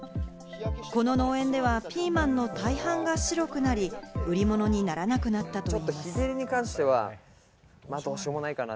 この農園ではピーマンの大半が白くなり、売り物にならなくなったといいます。